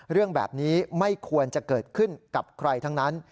เรื่องแบบนี้ไม่ควรจะเกิดขึ้นกับใครทั้งนั้น